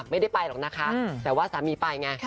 ไม่ได้ไปหรอกนะคะแต่ว่าสามีไปไง